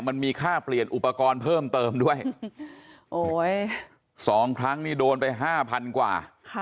มันมีค่าเปลี่ยนอุปกรณ์เพิ่มเติมด้วยโอ้ยสองครั้งนี่โดนไปห้าพันกว่า